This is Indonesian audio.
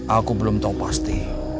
aku belum tahu pasti